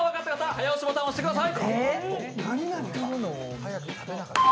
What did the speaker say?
早押しボタンを押してください。